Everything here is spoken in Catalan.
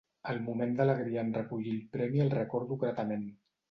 El moment d'alegria en recollir el premi el recordo gratament.